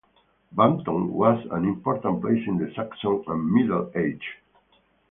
Bampton was an important place in the Saxon and Middle Ages.